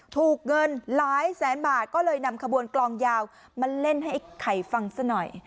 ถูกเงินหลายแสนบาทก็เลยนำขบวนกลองยาวมาเล่นให้ไอ้ไข่ฟังซะหน่อย